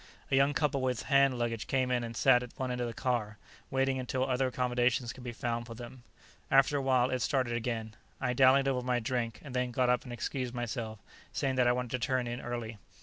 A young couple with hand luggage came in and sat at one end of the car, waiting until other accommodations could be found for them. After a while, it started again. I dallied over my drink, and then got up and excused myself, saying that I wanted to turn in early.